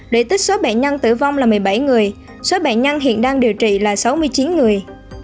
để tích số bệnh nhân tử vong là một mươi bảy người số bệnh nhân hiện đang điều trị là sáu mươi chín người